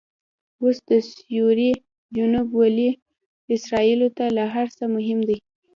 اوس دسوریې جنوب ولې اسرایلو ته له هرڅه مهم دي؟